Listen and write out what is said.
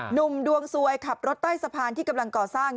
หนุ่มดวงสวยขับรถใต้สะพานที่กำลังก่อสร้าง